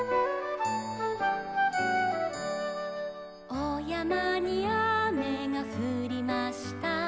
「おやまにあめがふりました」